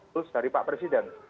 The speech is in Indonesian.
tools dari pak presiden